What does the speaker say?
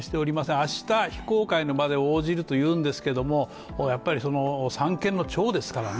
明日、非公開の場で応じるというんですけれども、やっぱり三権の長ですからね。